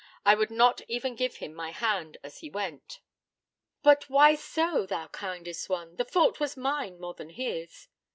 I would not even give him my hand as he went.' 'But why so, thou kindest one? The fault was mine more than his.'